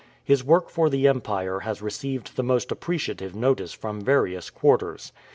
His work for the Empire has received the most appreciative notice from various quarters.